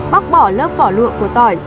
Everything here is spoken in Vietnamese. bóc bỏ lớp vỏ lụa của tỏi